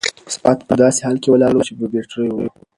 ساعت په داسې حال کې ولاړ و چې بې بيټرۍ و.